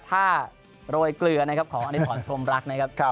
ท่าโรยเกลือของอดิษฐรพรมรักนะครับ